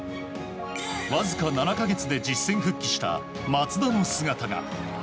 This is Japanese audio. わずか７か月で実践復帰した松田の姿が。